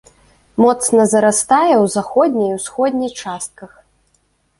Моцна зарастае ў заходняй і ўсходняй частках.